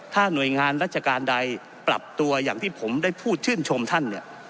ถ้าหน่วยงานราชการใดปรับตัวอย่างที่ผมได้พูดชื่นชมท่านเนี่ย